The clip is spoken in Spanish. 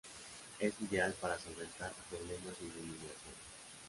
Es ideal para solventar problemas de iluminación.